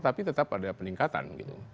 tetap ada peningkatan